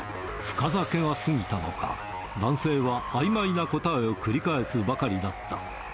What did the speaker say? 深酒が過ぎたのか、男性はあいまいな答えを繰り返すばかりだった。